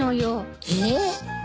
えっ？